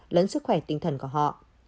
lẫn sức khỏe tinh thần của họ